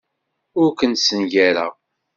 Ur kent-ssengareɣ.